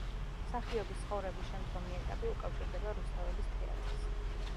მსახიობის ცხოვრების შემდგომი ეტაპი უკავშირდება რუსთაველის თეატრს.